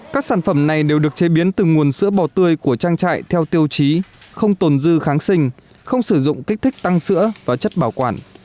các sản phẩm này đều được chế biến từ nguồn sữa bò tươi của trang trại theo tiêu chí không tồn dư kháng sinh không sử dụng kích thích tăng sữa và chất bảo quản